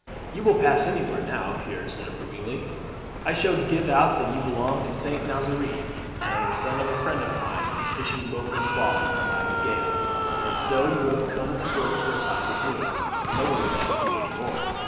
"You will pass anywhere now," Pierre said approvingly. "I shall give out that you belong to St. Nazaire, and are the son of a friend of mine whose fishing boat was lost in the last gale, and so you have come to work for a time with me; no one would ask you any more.